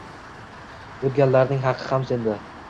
O’tganlarning haqqi ham senda